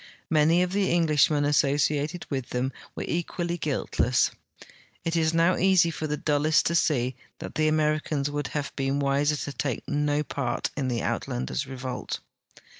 Many of the Englishmen asso ciated with them were equally guiltle.ss. It is now easy for the dullest to see that the Americans would have l>een wiser to take no part in the Uitlanders' revolt.